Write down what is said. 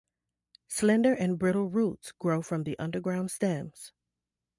Slender and brittle roots grow from the underground stems.